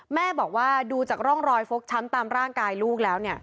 แม่บอกว่าดูจากร่องรอยฟกช้ำตามร่างกายลูกแล้ว